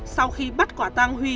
sau khi bắt quả tăng huy